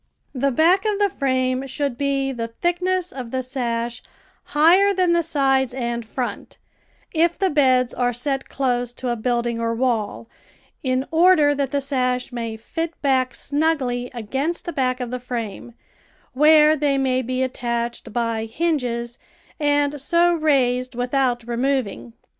The back of the frame should be the thickness of the sash higher than the sides and front, if the beds are set close to a building or wall, in order that the sash may fit back snugly against the back of the frame, where they may be attached by hinges and so raised without removing.